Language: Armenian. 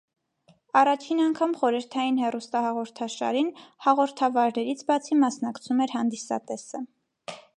Առաջին անգամ խորհրդային հեռուստահաղորդաշարին հաղորդավարներից բացի մասնակցում էր հանդիսատեսը։